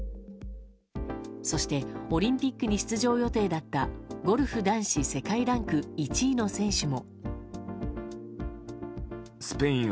そして、オリンピックに出場予定だったゴルフ男子世界ランク１位の選手も。